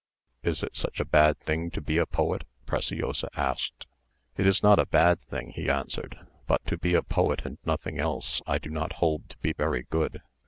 "Is it such a bad thing to be a poet?" Preciosa asked. "It is not a bad thing," he answered; "but to be a poet and nothing else I do not hold to be very good.